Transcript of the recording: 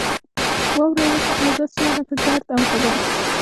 واوره یې وچه او داسې وه لکه ګرد او غبار.